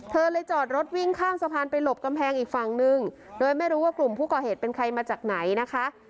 เธอเลยจอดรถวิ่งข้ามสะพานไปหลบกำแพงอีกฝั่งนึงโดยไม่รู้ว่ากลุ่มผู้ก่อเหตุเป็นใครมาจากไหนนะคะ